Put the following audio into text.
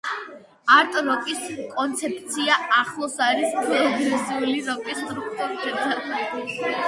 არტ როკის კონცეფცია ახლოს არის პროგრესული როკის სტრუქტურებთან.